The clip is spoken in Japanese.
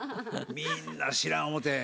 みんな知らん思て。